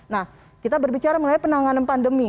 nah kita berbicara mengenai penanganan pandemi